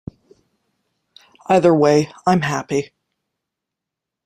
Either way, I’m happy.